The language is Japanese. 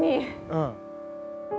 うん。